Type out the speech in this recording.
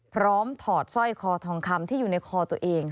ถอดสร้อยคอทองคำที่อยู่ในคอตัวเอง